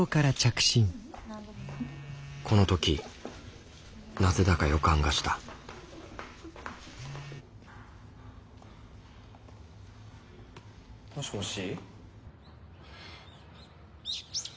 この時なぜだか予感がしたもしもし。